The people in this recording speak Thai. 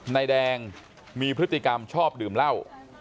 นายแดงมีพฤติกรรมชอบดื่มเหล้า